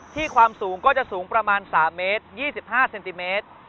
ความสูงก็จะสูงประมาณ๓เมตร๒๕เซนติเมตร